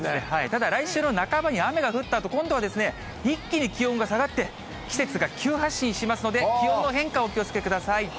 ただ来週の半ばに雨が降ったあと、今度は一気に気温が下がって、季節が急発進しますので、気温の変化、お気をつけください。